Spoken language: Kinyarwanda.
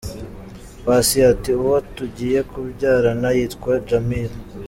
Passy ati: “Uwo tugiye kubyarana yitwa Djamil.